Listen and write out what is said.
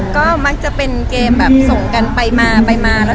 ก็มักจะเป็นเกมแบบส่งกันไปมาไปมา